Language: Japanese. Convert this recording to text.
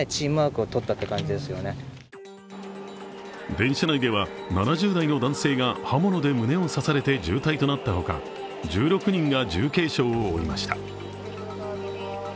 電車内では７０代の男性が刃物で胸を刺されて重体となったほか、１６人が重軽傷を負いました。